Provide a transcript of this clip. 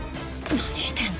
何してんの？